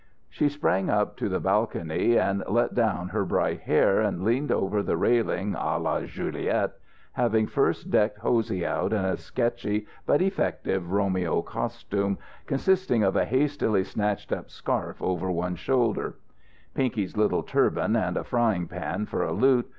She sprang up to the balcony, and let down her bright hair, and leaned over the railing, à la Juliet, having first decked Hosey out in a sketchy but effective Romeo costume, consisting of a hastily snatched up scarf over one shoulder, Pinky's little turban, and a frying pan for a lute.